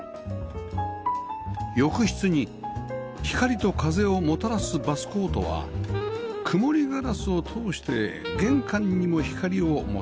浴室に光と風をもたらすバスコートは曇りガラスを通して玄関にも光をもたらしています